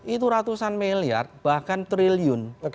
itu ratusan miliar bahkan triliun